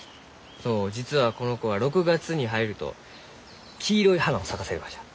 そう実はこの子は６月に入ると黄色い花を咲かせるがじゃ。